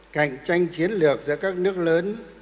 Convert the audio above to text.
cạnh tranh chiến lược giữa các nước lớn